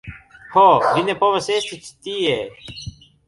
Ho, vi ne povas esti ĉi tie